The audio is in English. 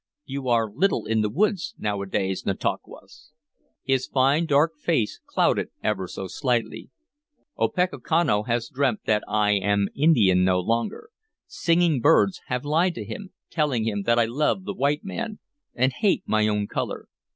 "You are little in the woods nowadays, Nantauquas." His fine dark face clouded ever so slightly. "Opechancanough has dreamt that I am Indian no longer. Singing birds have lied to him, telling him that I love the white man, and hate my own color.